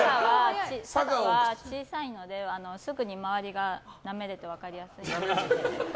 佐賀は小さいのですぐに回りがなめれて分かりやすいです。